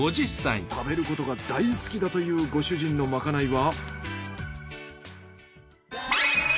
食べることが大好きだというご主人のまかないは。